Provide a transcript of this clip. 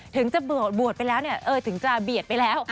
ถึงจะบวชไปแล้วเนี่ยถึงจะเบียดไปแล้ว